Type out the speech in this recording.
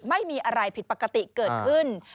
ไม่มีอะไรผิดปกติเกิดขึ้น